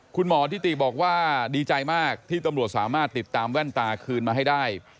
คุณหมอทิติบอกว่าดีใจมากที่ตำรวจสามารถติดตามแว่นตาคืนมาให้ได้